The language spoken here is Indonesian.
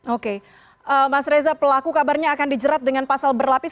oke mas reza pelaku kabarnya akan dijerat dengan pasal berlapis